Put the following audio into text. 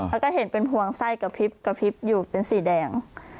แล้วก็เห็นเป็นห่วงไส้กระพริบกระพริบอยู่เป็นสีแดง